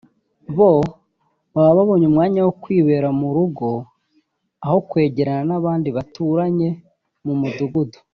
bo baba babonye umwanya wo kwibera mu rugo aho kwegerana n’abandi baturanye mu mudugudu